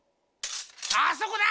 あそこだ！